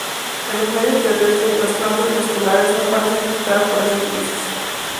En los medios terrestres, las plantas vasculares no parecen afectadas por esta crisis.